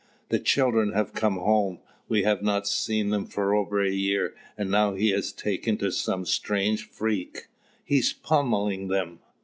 "The children have come home, we have not seen them for over a year; and now he has taken some strange freak he's pommelling them."